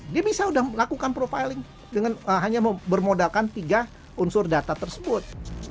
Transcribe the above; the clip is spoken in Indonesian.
dia bisa sudah melakukan profiling dengan hanya bermodalkan tiga unsur data tersebut